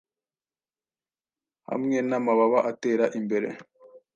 Hamwe namababa atera imbere